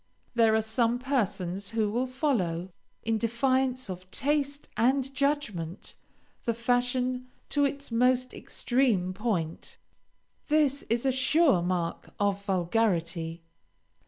There are some persons who will follow, in defiance of taste and judgment, the fashion to its most extreme point; this is a sure mark of vulgarity.